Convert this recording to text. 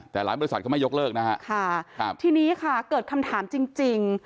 แต่หลายบริษัทเขาไม่ยกเลิกนะฮะค่ะครับทีนี้ค่ะเกิดคำถามจริง